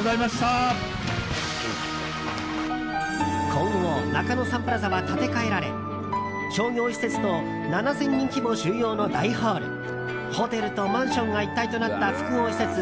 今後、中野サンプラザは建て替えられ商業施設と７０００人規模収容の大ホールホテルとマンションが一体となった複合施設